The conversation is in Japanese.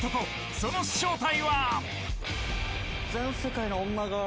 その正体は？